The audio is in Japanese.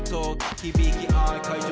「響き合い会場